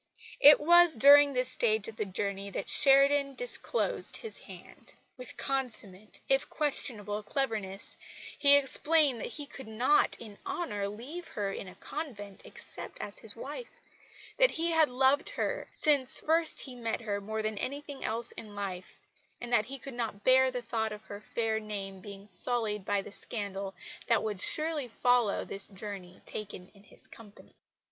It was during this last stage of the journey that Sheridan disclosed his hand. With consummate, if questionable, cleverness he explained that he could not, in honour, leave her in a convent except as his wife; that he had loved her since first he met her more than anything else in life, and that he could not bear the thought of her fair name being sullied by the scandal that would surely follow this journey taken in his company.